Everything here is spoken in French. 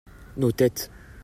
nos têtes.